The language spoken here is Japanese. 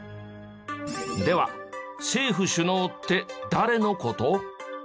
では政府首脳って誰の事？